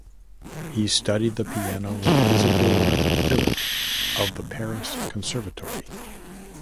He studied the piano with Isidor Philipp of the Paris Conservatory.